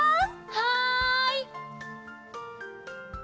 はい！